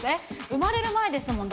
生まれる前ですもん。